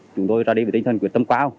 chúng tôi ra đi với tinh thần quyết tâm cao